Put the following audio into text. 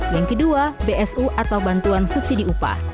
yang kedua bsu atau bantuan subsidi upah